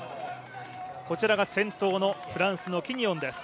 こちらが先頭のフランスのキニオンです。